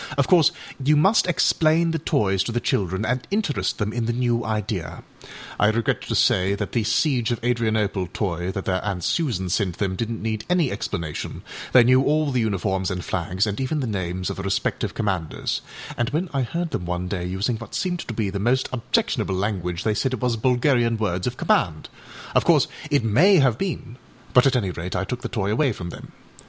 Of course you must explain the toys to the children and interest them in the new idea. I regret to say that the âSiege of Adrianopleâ toy, that their Aunt Susan sent them, didnât need any explanation; they knew all the uniforms and flags, and even the names of the respective commanders, and when I heard them one day using what seemed to be the most objectionable language they said it was Bulgarian words of command; of course it may have been, but at any rate I took the toy away from them.